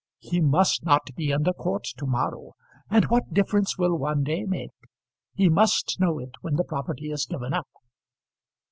"He must not be in the court to morrow. And what difference will one day make? He must know it when the property is given up."